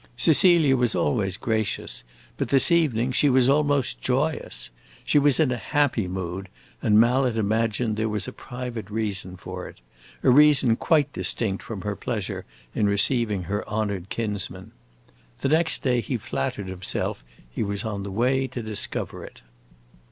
Cecilia was always gracious, but this evening she was almost joyous. She was in a happy mood, and Mallet imagined there was a private reason for it a reason quite distinct from her pleasure in receiving her honored kinsman. The next day he flattered himself he was on the way to discover it.